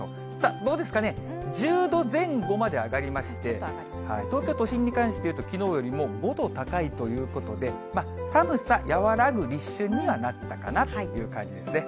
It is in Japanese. どうですかね、１０度前後まで上がりまして、東京都心に関していうと、きのうよりも５度高いということで、寒さ和らぐ立春にはなったかなという感じですね。